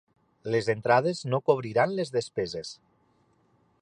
Les entrades no cobriran les despeses.